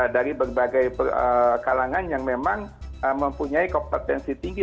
dari berbagai kalangan yang memang mempunyai kompetensi tinggi